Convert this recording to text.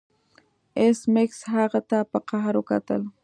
ایس میکس هغه ته په قهر وکتل